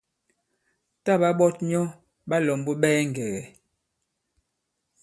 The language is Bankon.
Tǎ ɓa ɓɔt myɔ ɓa lɔ̀mbu ɓɛɛ ŋgɛ̀gɛ̀.